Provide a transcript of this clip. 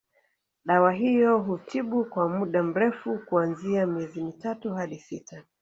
Dawa hiyo hutibu kwa muda mrefu kuanzia miezi mitatu hadi sita